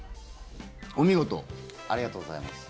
ありがとうございます。